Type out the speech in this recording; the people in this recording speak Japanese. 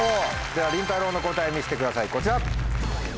ではりんたろうの答え見せてくださいこちら。